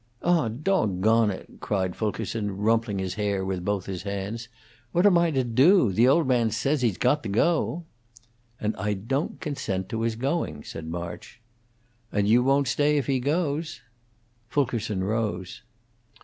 "Ah, dog on it!" cried Fulkerson, rumpling his hair with both his hands. "What am I to do? The old man says he's got to go." "And I don't consent to his going," said March. "And you won't stay if he goes." Fulkerson rose.